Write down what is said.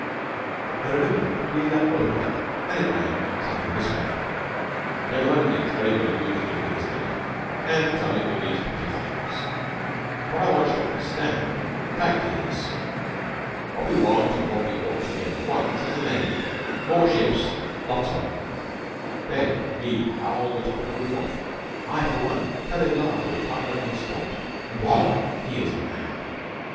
I remember nearly the whole of it, and it ran something in this way: "Gentlemen It's very good of you to give me this dinner and to tell me all these pretty things, but what I want you to understand the fact is, what we want and what we ought to get at once, is a navy more ships lots of 'em " Then we howled the top of the roof off, and I for one fell in love with Carlin on the spot. Wallah! He was a man.